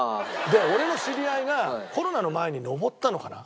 で俺の知り合いがコロナの前に登ったのかな。